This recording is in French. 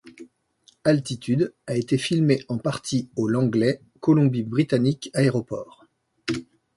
Altitude a été filmé en partie au Langley, Colombie-Britannique aéroport.